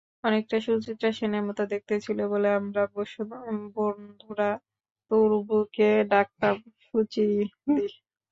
অনেকটা সুচিত্রা সেনের মতো দেখতে ছিল বলে আমরা বন্ধুরা তরুবুকে ডাকতাম সুচিদি।